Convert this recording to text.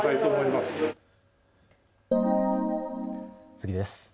次です。